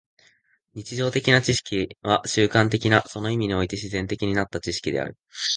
日常的な知識は習慣的な、その意味において自然的になった知識である。